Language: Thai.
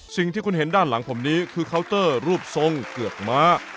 สิ่งที่คุณเห็นด้านหลังผมนี้คือเคาน์เตอร์รูปทรงเกือกม้า